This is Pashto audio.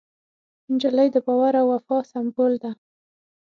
نجلۍ د باور او وفا سمبول ده.